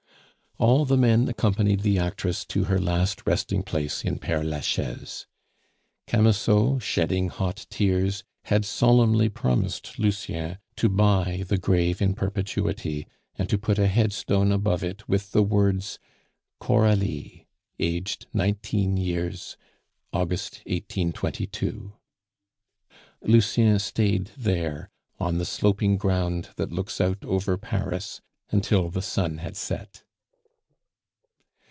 All the men accompanied the actress to her last resting place in Pere Lachaise. Camusot, shedding hot tears, had solemnly promised Lucien to buy the grave in perpetuity, and to put a headstone above it with the words: CORALIE AGED NINETEEN YEARS August, 1822 Lucien stayed there, on the sloping ground that looks out over Paris, until the sun had set.